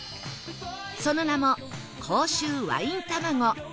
その名も甲州ワインたまご